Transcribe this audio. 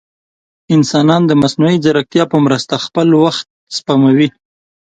انسانان د مصنوعي ځیرکتیا په مرسته خپل وخت سپموي.